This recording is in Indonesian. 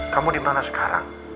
kamu dimana sekarang